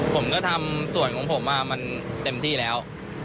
ผมก็ทำส่วนของผมมันเต็มที่แล้ว